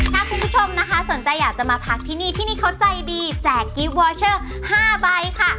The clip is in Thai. ถ้าคุณผู้ชมนะคะสนใจอยากจะมาพักที่นี่ที่นี่เขาใจดีแจกกิฟต์วอเชอร์๕ใบค่ะ